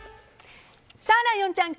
さあ、ライオンちゃん